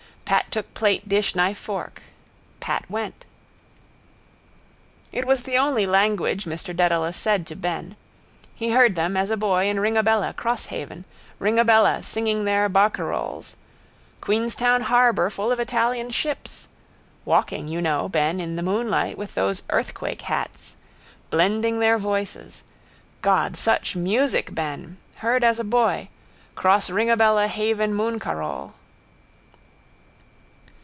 Pat took plate dish knife fork. Pat went. It was the only language Mr Dedalus said to Ben. He heard them as a boy in Ringabella, Crosshaven, Ringabella, singing their barcaroles. Queenstown harbour full of Italian ships. Walking, you know, Ben, in the moonlight with those earthquake hats. Blending their voices. God, such music, Ben. Heard as a boy. Cross Ringabella haven mooncarole.